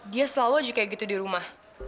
dia selalu juga kayak gitu di rumah